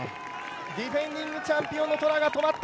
ディフェンディングチャンピオンのトラが今止まった。